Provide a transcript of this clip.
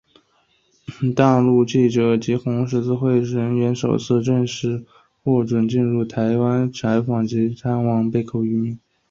大陆记者及红十字会人员首次正式获准进入台湾采访及探望被扣渔民。